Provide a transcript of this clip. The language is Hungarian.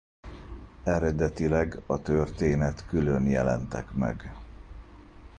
Eredetileg a történet külön jelentek meg.